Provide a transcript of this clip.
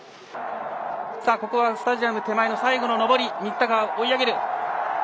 ここはスタジアム手前の最後の上り新田が追い上げる。